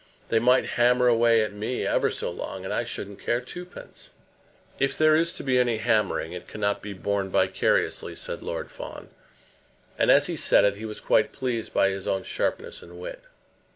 They might hammer away at me ever so long, and I shouldn't care twopence." "If there is to be any hammering, it cannot be borne vicariously," said Lord Fawn, and as he said it, he was quite pleased by his own sharpness and wit.